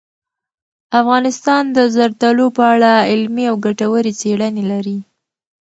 افغانستان د زردالو په اړه علمي او ګټورې څېړنې لري.